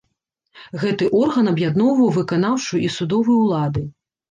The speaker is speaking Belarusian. Гэты орган аб'ядноўваў выканаўчую і судовую ўлады.